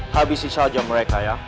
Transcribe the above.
habisi saja mereka ya